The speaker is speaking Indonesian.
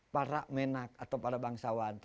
para menak atau para bangsawan